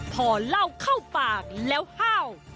พอเล่าเข้าปากแล้วห้าว